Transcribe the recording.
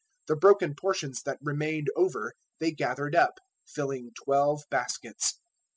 The broken portions that remained over they gathered up, filling twelve baskets.